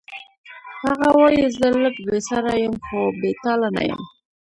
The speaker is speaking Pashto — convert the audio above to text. هغه وایی زه لږ بې سره یم خو بې تاله نه یم